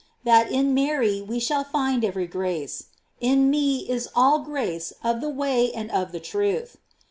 "* That in Mary we shall find every grace: "In me is all grace of the way and of the truth."